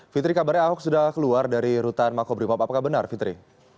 fitri kabarnya ahok sudah keluar dari rutan makobrimob apakah benar fitri